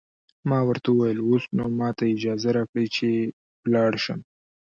ما ورته وویل: اوس نو ماته اجازه راکړئ چې ولاړ شم.